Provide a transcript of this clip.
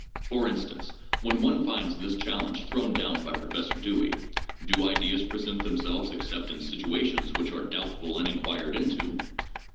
For instance, when one finds this challenge thrown down by Professor Dewey: "Do ideas present themselves except in situations which are doubtful and inquired into?"